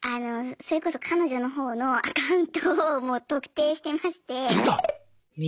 それこそ彼女の方のアカウントをもう「特定」してまして。